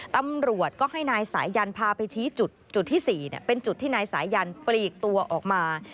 ตำรวจก็ให้นายสายันพาไปชี้จุดจุดที่๔เป็นจุดที่นายสายันปลีกตัวออกมา